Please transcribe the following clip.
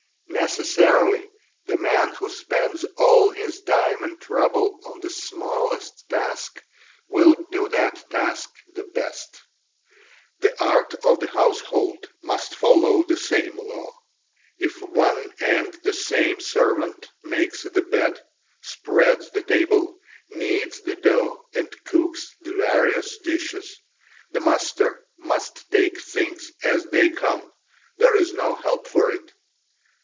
Necessarily the man who spends all his time and trouble on the smallest task will do that task the best. The arts of the household must follow the same law. If one and the same servant makes the bed, spreads the table, kneads the dough, and cooks the various dishes, the master must take things as they come, there is no help for it.